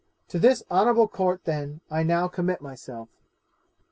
'To this honourable Court, then, I now commit myself.